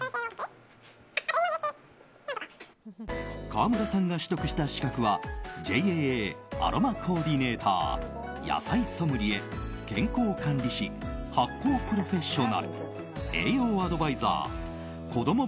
川村さんが取得した資格はＪＡＡアロマコーディネーター野菜ソムリエ、健康管理士発酵プロフェッショナル栄養アドバイザーこども